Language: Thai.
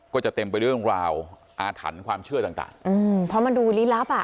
เต็มไปเรื่องราวอาถรรพ์ความเชื่อต่างต่างอืมเพราะมันดูลี้ลับอ่ะ